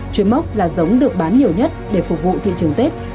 chuối mốc là giống được bán nhiều nhất để phục vụ thị trường tết